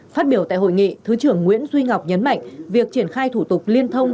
phát biểu tại hội nghị thứ trưởng nguyễn duy ngọc nhấn mạnh việc triển khai thủ tục liên thông